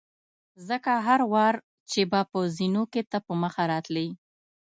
ځکه هر وار چې به په زینو کې ته په مخه راتلې.